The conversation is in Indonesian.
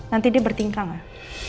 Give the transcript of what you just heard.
nanti dia bertingkah gak